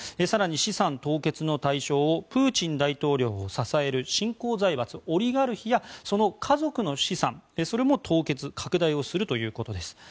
更に資産凍結の対象をプーチン大統領を支える新興財閥、オリガルヒやその家族の資産それも凍結拡大をするということです。